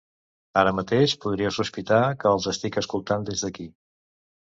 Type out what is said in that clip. Ara mateix podria sospitar que els estic escoltant des d'aquí.